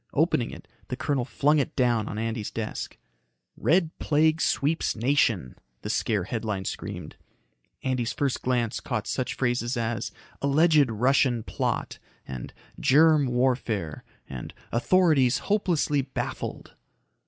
Opening it, the colonel flung it down on Andy's desk. "RED PLAGUE SWEEPS NATION," the scare headline screamed. Andy's first glance caught such phrases as "alleged Russian plot" and "germ warfare" and "authorities hopelessly baffled."